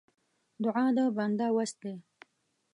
دعا د بنده وس دی.